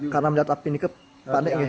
karena melihat api ini panik